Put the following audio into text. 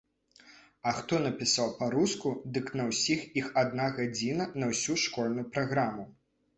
А хто напісаў па-руску, дык на ўсіх іх адна гадзіна на ўсю школьную праграму.